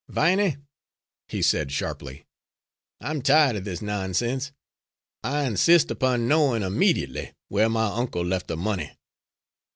"Viney," he said, sharply, "I am tired of this nonsense. I insist upon knowing, immediately, where my uncle left the money."